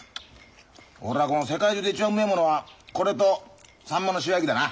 俺は世界中で一番うめえものはこれとサンマの塩焼きだな。